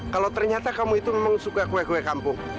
kalau ternyata kamu itu memang suka kue kue kampung